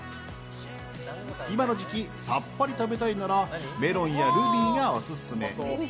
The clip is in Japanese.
今の時期、さっぱり食べたいならメロンやルビーがオススメ。